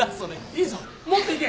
いいぞもっといけ！